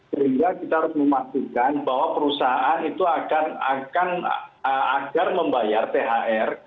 sehingga kita harus memastikan bahwa perusahaan itu akan agar membayar thr